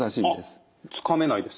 あっつかめないです。